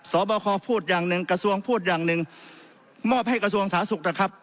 บคพูดอย่างหนึ่งกระทรวงพูดอย่างหนึ่งมอบให้กระทรวงสาธารณสุขนะครับ